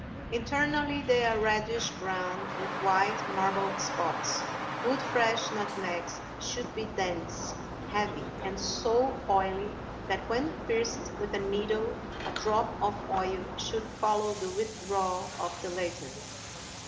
Internally they are reddish brown, with white marbled spots. Good fresh nutmegs should be dense, heavy, and so oily that when pierced with a needle a drop of oil should follow the withdrawal of the latter.